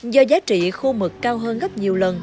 do giá trị khu vực cao hơn gấp nhiều lần